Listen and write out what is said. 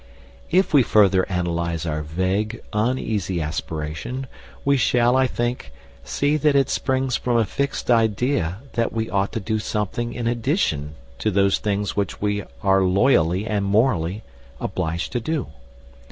If we further analyse our vague, uneasy aspiration, we shall, I think, see that it springs from a fixed idea that we ought to do something in addition to those things which we are loyally and morally obliged to do.